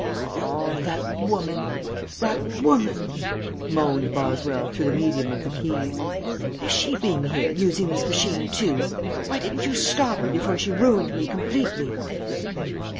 "Oh, that woman that woman!" moaned Boswell, through the medium of the keys. "Has she been here, using this machine too? Why didn't you stop her before she ruined me completely?"